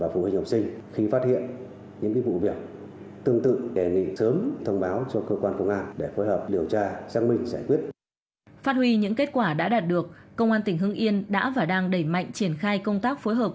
phát huy những kết quả đã đạt được công an tỉnh hưng yên đã và đang đẩy mạnh triển khai công tác phối hợp